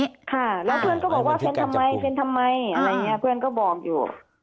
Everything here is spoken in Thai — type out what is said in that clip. ค่ะแล้วเพื่อนก็บอกว่าแฟนทำไมแฟนทำไมอะไรอย่างนี้เพื่อนก็บอกอยู่